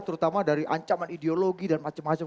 terutama dari ancaman ideologi dan macam macam